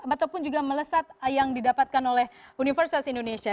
ataupun juga melesat yang didapatkan oleh universitas indonesia